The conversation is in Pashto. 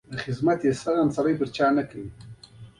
تصعید په نورو موادو کې لکه ایودین هم را منځ ته کیږي.